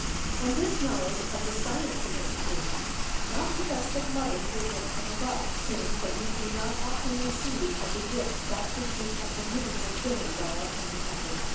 And this knowledge of the science of education, not the best of mothers will get from above, seeing that we do not often receive as a gift that which we have the means of getting by our own efforts.